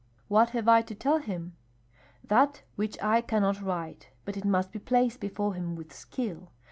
"What have I to tell him?" "That which I cannot write. But it must be placed before him with skill.